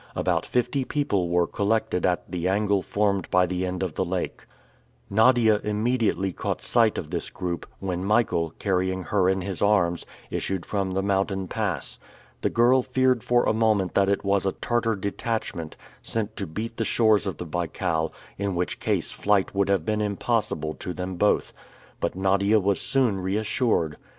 About fifty people were collected at the angle formed by the end of the lake. Nadia immediately caught sight of this group, when Michael, carrying her in his arms, issued from the mountain pass. The girl feared for a moment that it was a Tartar detachment, sent to beat the shores of the Baikal, in which case flight would have been impossible to them both. But Nadia was soon reassured.